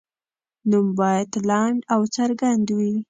نوم باید لنډ او څرګند وي.